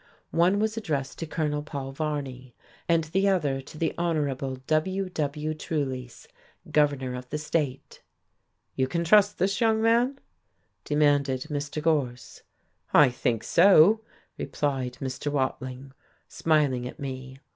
One was addressed to Colonel Paul Varney, and the other to the Hon. W. W. Trulease, governor of the state. "You can trust this young man?" demanded Mr. Gorse. "I think so," replied Mr. Watling, smiling at me.